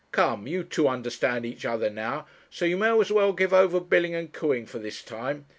Come, you two understand each other now, so you may as well give over billing and cooing for this time.